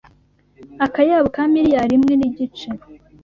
akayabo ka miliyari imwe nigice